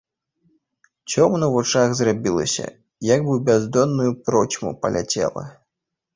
Цёмна ў вачах зрабілася, як бы ў бяздонную процьму паляцела.